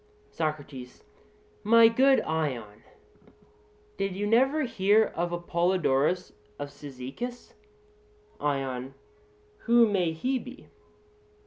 SOCRATES: My good Ion, did you never hear of Apollodorus of Cyzicus? ION: Who may he be?